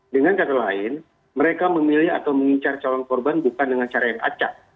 dengan kata lain mereka memilih atau mengincar calon korban bukan dengan cara yang acak